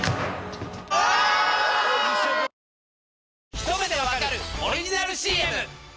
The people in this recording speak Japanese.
『ひと目でわかる‼』オリジナルＣＭ！